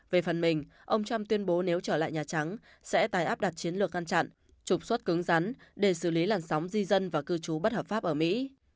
về phần mình ông trump tuyên bố nếu trở lại nhà trắng sẽ tái áp đặt chiến lược ngăn chặn trục xuất cứng rắn để xử lý làn sóng di dân và cư trú bất hợp pháp ở mỹ